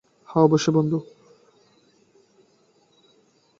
হ্যাঁ, অবশ্যই, বন্ধু।